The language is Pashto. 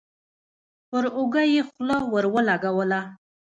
پر اوږه يې خوله ور ولګوله.